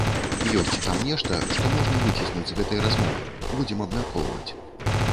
Ёсць там нешта, што можна выціснуць з гэтай размовы, будзем абмяркоўваць.